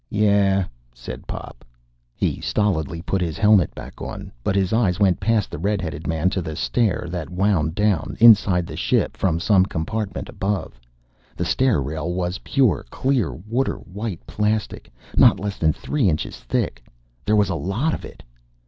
"Yeah," said Pop. He stolidly put his helmet back on. But his eyes went past the red headed man to the stair that wound down, inside the ship, from some compartment above. The stair rail was pure, clear, water white plastic, not less than three inches thick. There was a lot of it!